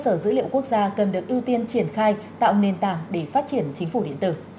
cơ sở dữ liệu quốc gia cần được ưu tiên triển khai tạo nền tảng để phát triển chính phủ điện tử